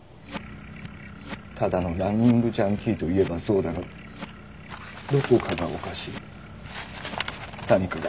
ただのランニングジャンキーといえばそうだがどこかがおかしい。何かが。